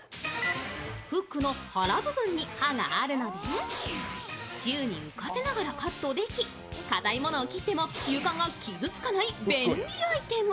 フックの腹部分に刃があるので、宙に浮かせながらカットでき、かたい物を切っても床が傷つかない便利アイテム。